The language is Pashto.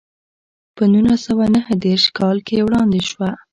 په نولس سوه نهه دېرش کال کې وړاندې شوه.